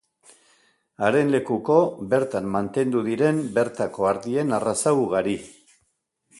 Haren lekuko bertan mantendu diren bertako ardien arraza ugari.